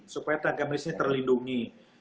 supaya tenaga medisnya terlindungi